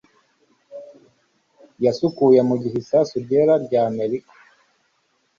yasukuye, mugihe isasu ryera rya amerika